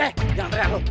hei jangan teriak lo